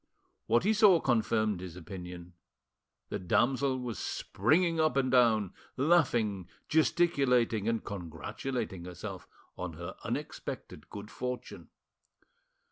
What he saw confirmed his opinion. The damsel was springing up and down, laughing, gesticulating, and congratulating herself on her unexpected good fortune.